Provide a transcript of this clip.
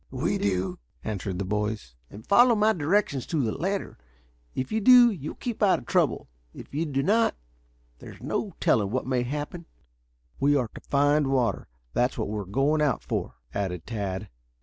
"We do," answered the boys. "Follow my directions to the letter. If you do you will keep out of trouble. If you do not, there's no telling what may happen." "We are to find water. That's what we are going out for," added Tad.